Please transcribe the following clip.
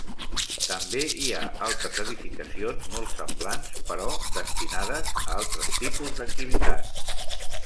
També hi ha altres edificacions molt semblants però destinades a altres tipus d'activitats.